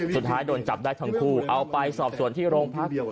สุดท้ายโดนจับได้ทั้งคู่เอาไปสอบส่วนที่โรงพัก